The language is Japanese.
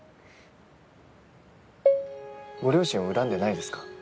ご両親を恨んでないですか？